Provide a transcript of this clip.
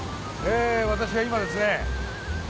私は今ですね